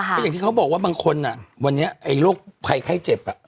ก็อย่างที่เขาบอกว่าบางคนวันนี้ไอ้โรคภัยไข้เจ็บ